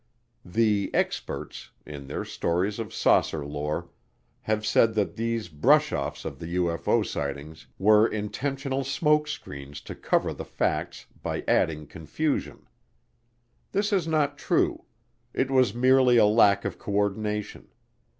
The "experts," in their stories of saucer lore, have said that these brush offs of the UFO sightings were intentional smoke screens to cover the facts by adding confusion. This is not true; it was merely a lack of coordination.